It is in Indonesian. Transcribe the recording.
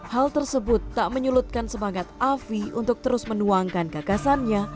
hal tersebut tak menyulutkan semangat afi untuk terus menuangkan gagasannya